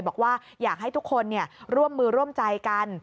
บอกว่าอยากให้ทุกคนร่วมมือร่วมใจกัน